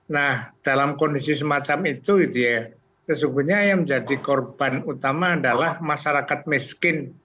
nah dalam kondisi semacam itu sesungguhnya yang menjadi korban utama adalah masyarakat miskin